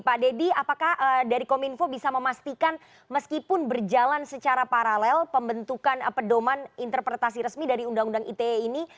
pak deddy apakah dari kominfo bisa memastikan meskipun berjalan secara paralel pembentukan pedoman interpretasi resmi dari undang undang ite ini